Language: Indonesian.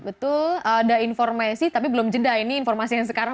betul ada informasi tapi belum jeda ini informasi yang sekarang